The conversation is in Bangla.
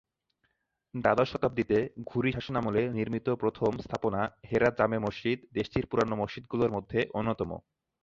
দ্বাদশ শতাব্দীতে ঘুরি শাসনামলে নির্মিত প্রথম স্থাপনা হেরাত জামে মসজিদ দেশটির পুরনো মসজিদগুলোর মধ্যে অন্যতম।